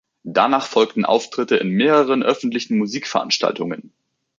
Danach folgten Auftritte in mehreren öffentlichen Musikveranstaltungen.